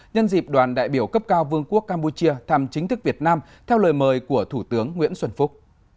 nhân dịp đoàn đại biểu cấp cao vương quốc campuchia thăm chính thức việt nam theo lời mời của thủ tướng nguyễn xuân phúc